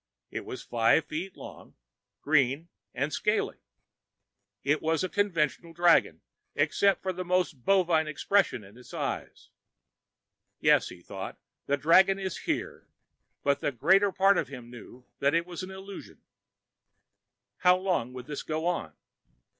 It was five feet long, green and scaly. It was a conventional dragon, except for the most bovine expression in its eyes.... Yes, he thought, the dragon is here. But the greater part of him knew that it was an illusion. How long would this go on?